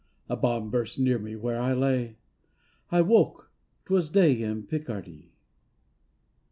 A bomb burst near me where I lay. I woke, 'twas day in Picardy.